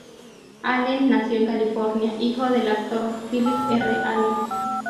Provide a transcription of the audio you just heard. Allen nació en California, hijo del actor Phillip R. Allen.